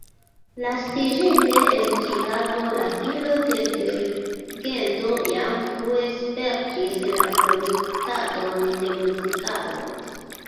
Naskiĝinte en Ĉikago, la filo de dirigento jam frue spertis la produktadon de muzikaloj.